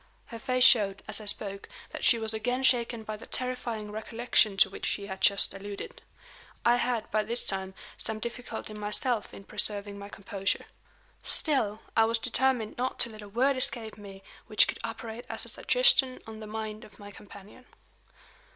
Her face showed, as I spoke, that she was again shaken by the terrifying recollection to which she had just alluded. I had, by this time, some difficulty myself in preserving my composure. Still, I was determined not to let a word escape me which could operate as a suggestion on the mind of my companion.